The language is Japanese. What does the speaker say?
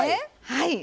はい。